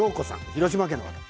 広島県の方。